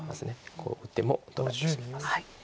こう打っても取られてしまいます。